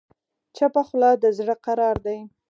چپه خوله، د زړه قرار دی.